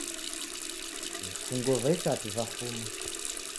Vifunguo va ishati vafuma